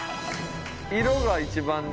色が一番ね。